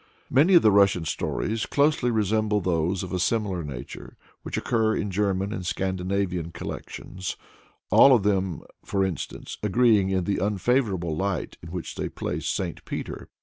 Many of the Russian stories closely resemble those of a similar nature which occur in German and Scandinavian collections; all of them, for instance, agreeing in the unfavorable light in which they place St. Peter.